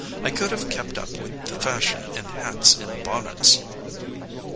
I could have kept up with the fashion in hats and bonnets."